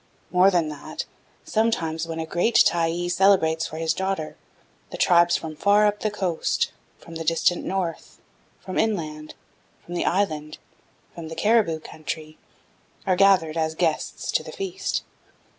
More than that, sometimes when a great Tyee celebrates for his daughter, the tribes from far up the coast, from the distant north, from inland, from the island, from the Cariboo country, are gathered as guests to the feast.